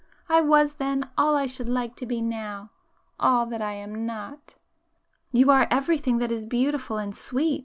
—I was then all I should like to be now,—all that I am not!" "You are everything that is beautiful and sweet!"